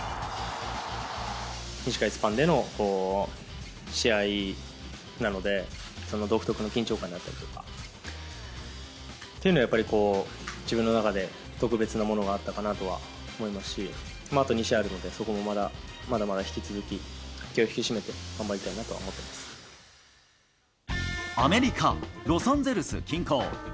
短いスパンでの試合なので、その独特の緊張感だったりとかというのはやっぱり、自分の中で特別なものがあったかなとは思いますし、あと２試合あるので、そこもまだまだ引き続き、気を引き締めて頑張りたいなとは思ってアメリカ・ロサンゼルス近郊。